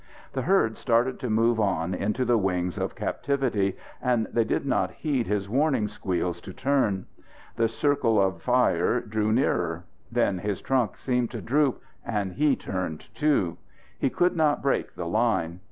The herd started to move on into the wings of captitivity; and they did not heed his warning squeals to turn. The circle of fire drew nearer. Then his trunk seemed to droop, and he turned, too. He could not break the line.